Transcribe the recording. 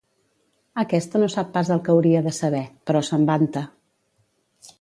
Aquesta no sap pas el que hauria de saber, però se'n vanta.